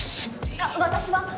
あっ私は？